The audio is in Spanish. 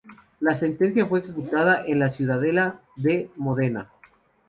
La sentencia fue ejecutada en la ciudadela de Módena.